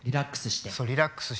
リラックスして。